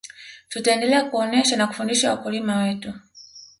tutaendelea kuonesha na kufundisha wakulima wetu